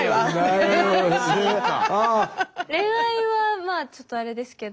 恋愛はまあちょっとあれですけど。